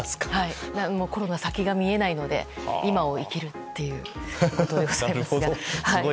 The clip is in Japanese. コロナ、先が見えないので今を生きるということで。